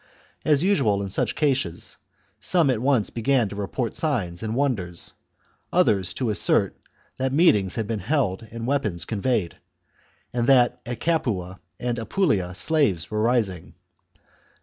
As usual in such cases, some at once began to report signs and wonders ; others, to assert that meet ings had been held and weapons conveyed, and that at Capua and in Apulia the slaves were rising.